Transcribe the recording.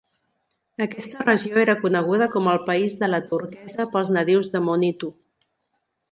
Aquesta regió era coneguda com el "País de la turquesa" pels nadius de Monitu.